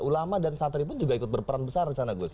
ulama dan santri pun juga ikut berperan besar di sana gus